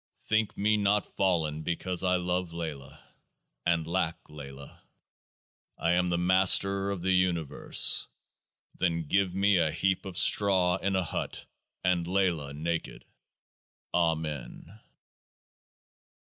Think me not fallen because I love LAYLAH, and lack LAYLAH. I am the Master of the Universe ; then give me a heap of straw in a hut, and LAYLAH naked ! Amen.